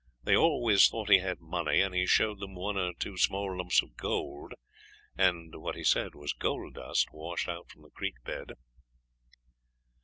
They always thought he had money, and he showed them one or two small lumps of gold, and what he said was gold dust washed out from the creek bed.'